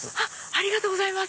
ありがとうございます！